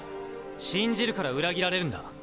信じるから裏切られるんだ。